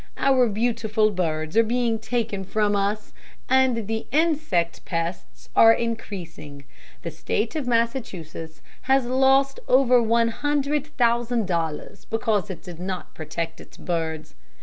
Our beautiful birds are being taken from us, and the insect pests are increasing. The State of Massachusetts has lost over one hundred thousand dollars because it did not protect its birds.